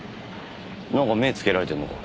なんか目つけられてんのか？